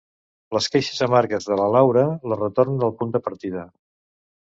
Les queixes amargues de la Laura la retornen al punt de partida.